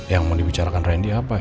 yang mau dibicarakan randy apa